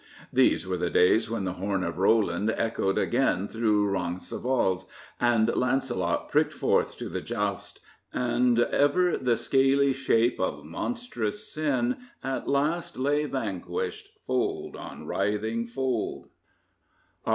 Those were the days when the horn of Roland echoed again through Roncesvalles, and Lancelot pricked forth to the joust, and Ever the scaly shape of monstrous sin At last lay vanquished, fold on writhing fold.